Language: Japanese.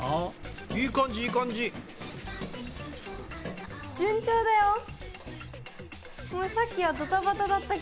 いい感じいい感じ。ね。